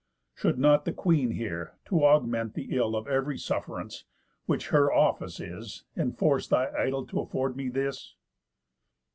Should not the Queen here, to augment the ill Of ev'ry suff'rance, which her office is, Enforce thy idol to afford me this?